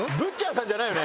さんじゃないよね？